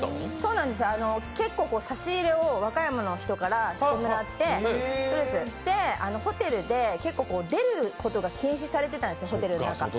差し入れを和歌山の人からしてもらって、ホテルで出ることが禁止されてたんですよ。